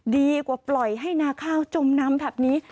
ดีกว่าปล่อยให้นาข้าวจมน้ำแบบนี้